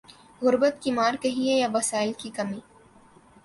غربت کی مار کہیے یا وسائل کی کمی۔